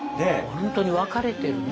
本当に分かれてるね。